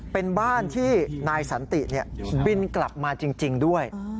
เป็นบ้านที่นายสันติบินกลับมาจริงด้วย